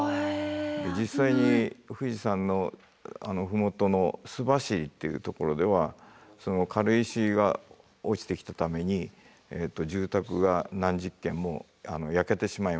実際に富士山の麓の須走っていうところではその軽石が落ちてきたために住宅が何十軒も焼けてしまいました。